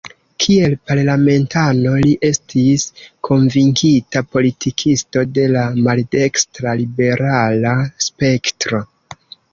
Kiel parlamentano li estis konvinkita politikisto de la maldekstra-liberala spektro.